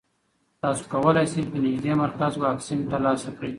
تاسو کولی شئ په نږدې مرکز واکسین ترلاسه کړئ.